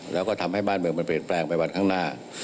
แล้วก็ทำให้บ้านเมืองมันเปลี่ยนแปลงไปวันข้างหน้า